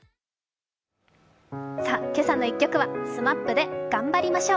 「けさの１曲」はＳＭＡＰで「がんばりましょう」。